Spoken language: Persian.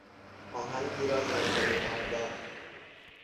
آهنگی را زمزمه کردن